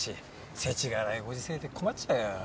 せちがらいご時世で困っちゃうよ。